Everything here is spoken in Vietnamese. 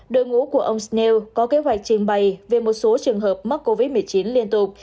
đội ngũ của ông snale có kế hoạch trình bày về một số trường hợp mắc covid một mươi chín liên tục